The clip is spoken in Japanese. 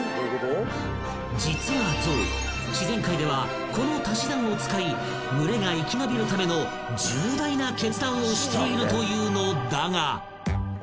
［実はゾウ自然界ではこの足し算を使い群れが生き延びるための重大な決断をしているというのだが］